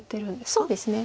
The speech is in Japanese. そうですね。